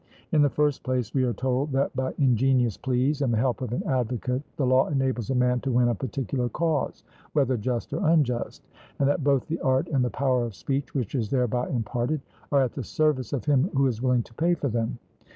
In the first place, we are told that by ingenious pleas and the help of an advocate the law enables a man to win a particular cause, whether just or unjust; and that both the art, and the power of speech which is thereby imparted, are at the service of him who is willing to pay for them.